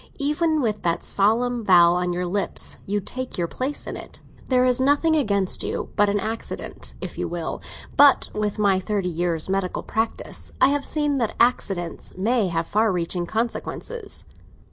Even with that solemn vow on your lips, you take your place in it. There is nothing against you but an accident, if you will; but with my thirty years' medical practice, I have seen that accidents may have far reaching consequences."